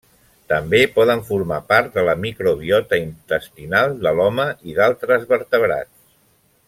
També poden formar part de la microbiota intestinal de l'home i d'altres vertebrats.